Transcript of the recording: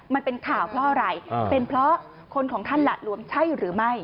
มันเป็นข่าวเพราะอะไรเป็นเพราะคนของท่านหละหลวมใช่หรือไม่